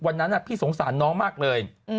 วันนั้นพี่สงสารน้องมากเลย